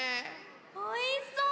おいしそう！